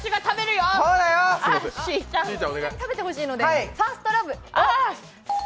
食べてほしいので。